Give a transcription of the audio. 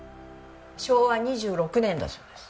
昭和２６年だそうです。